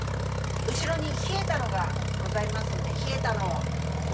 後ろに冷えたのがございますんで冷えたのを。